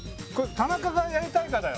田中がやりたいかだよ